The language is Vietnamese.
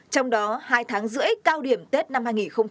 trong đó hai tháng rưỡi cao điểm tết năm hai nghìn hai mươi